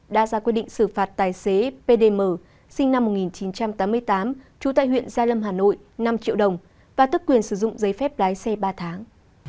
đã ra quyết định xử phạt tài xế pdm sinh năm một nghìn chín trăm tám mươi tám trú tại huyện gia lâm hà nội năm triệu đồng và tức quyền sử dụng giấy phép lái xe ba tháng